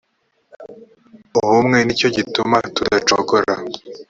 ubumwe ni cyo gituma tudacogora .